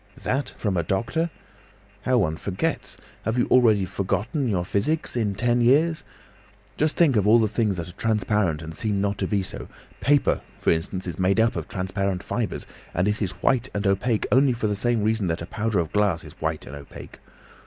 "That from a doctor! How one forgets! Have you already forgotten your physics, in ten years? Just think of all the things that are transparent and seem not to be so. Paper, for instance, is made up of transparent fibres, and it is white and opaque only for the same reason that a powder of glass is white and opaque.